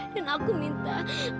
dan aku minta